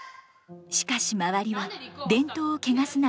しかし周りは伝統を汚すなと陰口を。